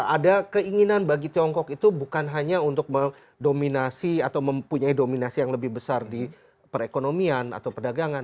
ada keinginan bagi tiongkok itu bukan hanya untuk mendominasi atau mempunyai dominasi yang lebih besar di perekonomian atau perdagangan